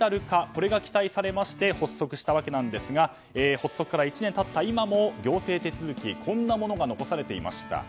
これが期待されまして発足したわけなんですが発足から１年経った今も行政手続きにこんなものが残されていました。